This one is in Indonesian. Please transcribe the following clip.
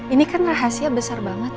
ini kan rahasia besar banget